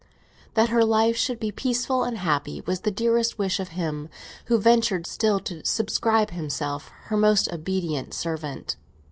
That her life should be peaceful and happy was the dearest wish of him who ventured still to subscribe himself her most obedient servant.